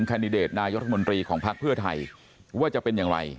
คันดิเดตนายกรัฐมนตรีของภาคเพื่อไทยว่าจะเป็นอย่างไร